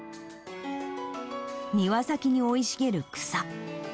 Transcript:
庭先に生い茂る草。